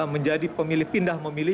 menjadi pemilih pindah memilih